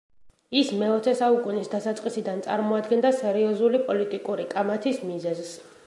ის მეოცე საუკუნის დასაწყისიდან წარმოადგენდა სერიოზული პოლიტიკური კამათის მიზეზს.